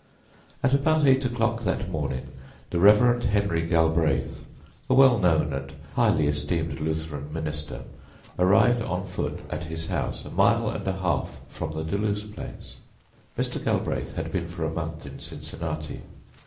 At about eight o'clock that morning the Rev. Henry Galbraith, a well known and highly esteemed Lutheran minister, arrived on foot at his house, a mile and a half from the Deluse place. Mr. Galbraith had been for a month in Cincinnati.